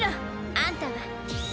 あんたは。